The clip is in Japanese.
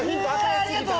ありがとう！